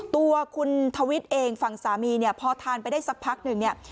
ตัวคุณทวิทย์เองฝั่งสามีเนี่ยพอทานไปได้สักพักหนึ่งเนี่ย